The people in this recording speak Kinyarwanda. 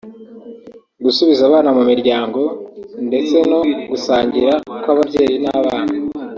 gusubiza abana mu miryango ndetse no gusangira kw’ababyeyi n’abana